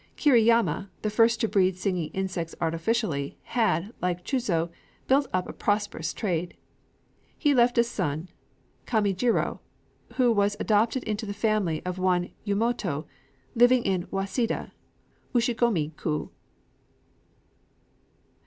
Kiriyama, the first to breed singing insects artificially, had, like Chūzō, built up a prosperous trade. He left a son, Kaméjirō, who was adopted into the family of one Yumoto, living in Waséda, Ushigomé ku.